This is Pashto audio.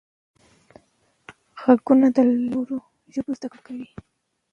غوږونه له نوو ژبو زده کړه کوي